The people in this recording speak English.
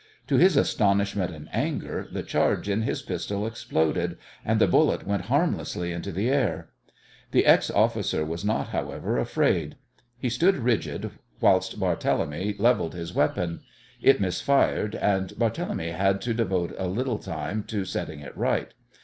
To his astonishment and anger the charge in his pistol exploded, and the bullet went harmlessly into the air. The ex officer was not, however, afraid. He stood rigid whilst Barthélemy levelled his weapon. It misfired, and Barthélemy had to devote a little time to setting it right.